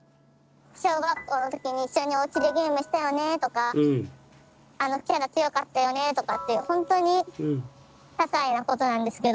「小学校の時に一緒におうちでゲームしたよね」とか「あのキャラ強かったよね」とかっていうほんとにささいなことなんですけど。